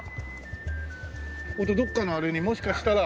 どっかのあれにもしかしたら。